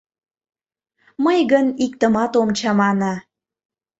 Мый гын иктымат ом чамане.